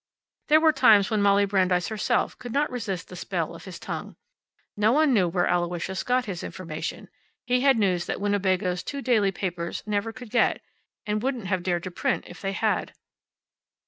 There were times when Molly Brandeis herself could not resist the spell of his tongue. No one knew where Aloysius got his information. He had news that Winnebago's two daily papers never could get, and wouldn't have dared to print if they had.